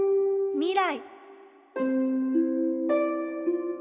未来！